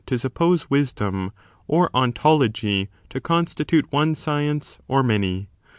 to suppose Wisdom or Ontology to constitute one science or many